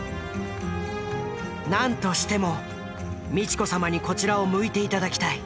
何としても美智子さまにこちらを向いて頂きたい。